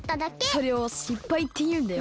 それをしっぱいっていうんだよ。